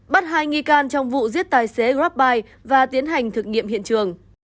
bắt hai nghi can trong vụ giết tài xế grabbuy và tiến hành thực nghiệm hiện trường